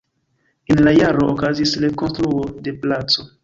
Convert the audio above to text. En la jaro okazis rekonstruo de placo.